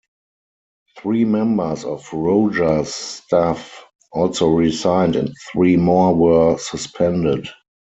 Three members of Rojas' staff also resigned and three more were suspended.